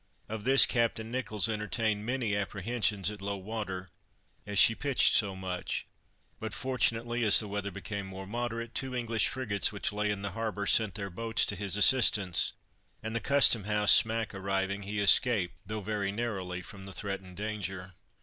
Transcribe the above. Of this Captain Nicholls entertained many apprehensions at low water, as she pitched so much; but fortunately, as the weather became more moderate, two English frigates which lay in the harbor, sent their boats to his assistance, and the custom house smack arriving, he escaped, though very narrowly, from the threatened danger.